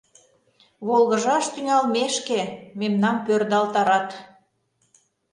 Волгыжаш тӱҥалмешке, мемнам пӧрдалтарат.